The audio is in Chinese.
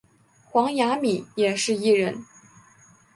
黄雅珉也是艺人。